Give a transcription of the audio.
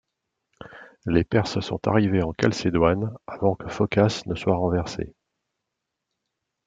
Les Perses sont arrivés en Chalcédoine avant que Phocas ne soit renversé.